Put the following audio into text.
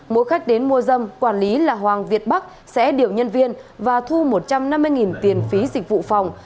mỗi khách đến mua dâm quản lý là hoàng việt bắc sẽ điều nhân viên và thu một trăm năm mươi tiền phí dịch vụ phòng